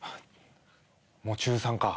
もう中３か。